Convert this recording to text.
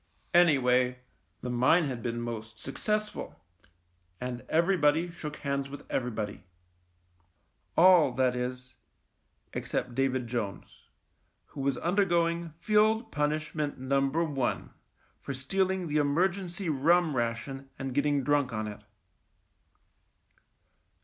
Anyway, the mine had been most successful — and everybody shook hands with every body. All, that is, except David Jones, who was THE MINE 105 undergoing Field Punishment Number One for stealing the emergency rum ration and getting drunk on it.